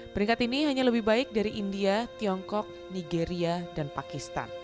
peringkat ini hanya lebih baik dari india tiongkok nigeria dan pakistan